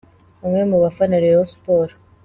Umwe mu bafana ba Rayon Sports.